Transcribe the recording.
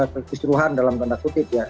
kekisruhan dalam tanda kutip ya